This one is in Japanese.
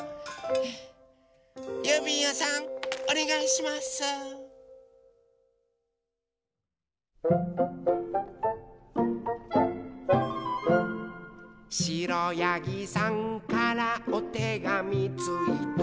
「しろやぎさんからおてがみついた」